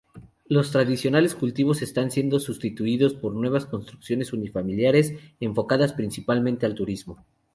Los tradicionales cultivos están siendo sustituidos por nuevas construcciones unifamiliares enfocadas principalmente al turismo.